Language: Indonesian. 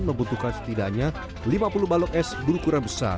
membutuhkan setidaknya lima puluh balok es berukuran besar